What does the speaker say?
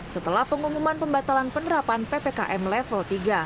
setelah pengumuman pembatalan penerapan ppkm level tiga